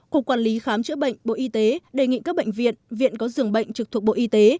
cục quản lý khám chữa bệnh bộ y tế đề nghị các bệnh viện viện có dường bệnh trực thuộc bộ y tế